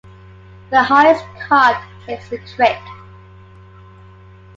The highest card takes the "trick".